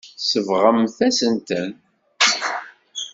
Tsebɣem-asent-ten.